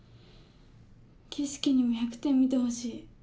慶介にも１００点見てほしい。